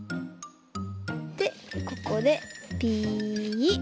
でここでピッ。